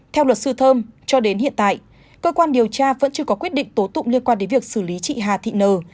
theo luật sư thơm cho đến hiện tại cơ quan điều tra vẫn chưa có quyết định tố tụng liên quan đến việc xử lý chị hà thị nờ